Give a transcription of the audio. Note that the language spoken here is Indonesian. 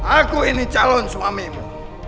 aku ini calon suamimu